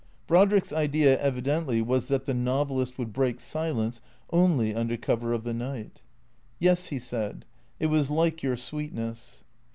Brodrick's idea evidently was that the novelist would break silence only under cover of the night. " Yes," he said. " It was like your sweetness."